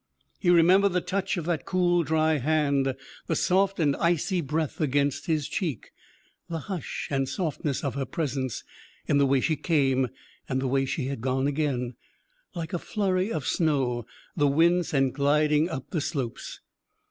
He remembered the touch of that cool, dry hand; the soft and icy breath against his cheek; the hush and softness of her presence in the way she came and the way she had gone again like a flurry of snow the wind sent gliding up the slopes.